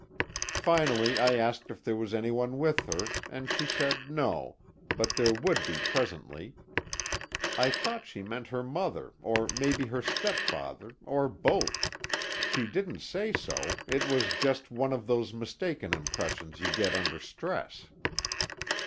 Finally I asked if there was anyone with her, and she said no, but there would be presently. I thought she meant her mother or maybe her stepfather or both she didn't say so, it was just one of those mistaken impressions you get under stress."